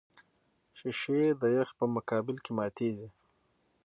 شیشې د یخ په مقابل کې ماتېږي.